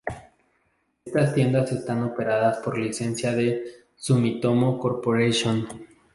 Estas tiendas están operadas por licencia de Sumitomo Corporation.